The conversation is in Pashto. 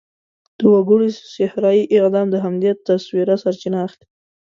د وګړو صحرايي اعدام د همدې تصوره سرچینه اخلي.